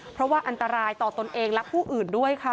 เพราะว่าอันตรายต่อตนเองและผู้อื่นด้วยค่ะ